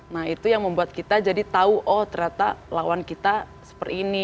nah itu yang membuat kita jadi tahu oh ternyata lawan kita seperti ini